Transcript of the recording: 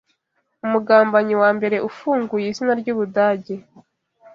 Umugambanyi wa mbere ufunguye izina ry'Ubudage!